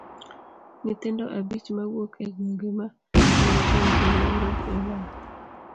Nyithindo abich mawuok e gwenge ma mountain view Nairobi olal.